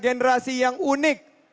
generasi yang unik